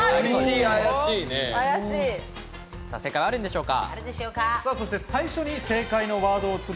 正解はあるのでしょうか？